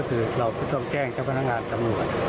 คือเราก็ต้องแจ้งเจ้าพนักงานตำรวจ